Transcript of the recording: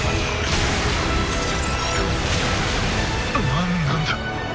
何なんだ